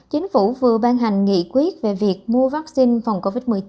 chính phủ vừa ban hành nghị quyết về việc mua vaccine phòng covid một mươi chín